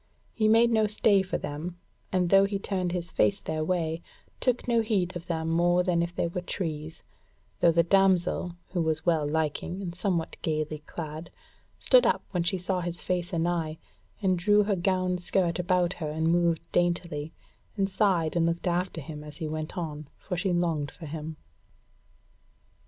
He made no stay for them, and though he turned his face their way, took no heed of them more than if they were trees; though the damsel, who was well liking and somewhat gaily clad, stood up when she saw his face anigh, and drew her gown skirt about her and moved daintily, and sighed and looked after him as he went on, for she longed for him.